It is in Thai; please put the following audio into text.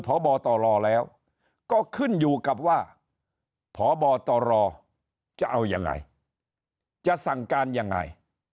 พบตรแล้วก็ขึ้นอยู่กับว่าพบตรจะเอายังไงจะสั่งการยังไง